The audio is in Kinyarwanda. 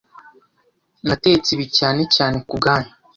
Natetse ibi cyane cyane kubwanyu.